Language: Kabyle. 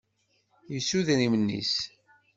Yettu idrimen-nnes.